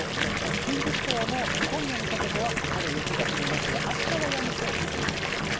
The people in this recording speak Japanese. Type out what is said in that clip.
近畿地方も今夜にかけては、まだ雪が降りますが、あしたはやみそうですね。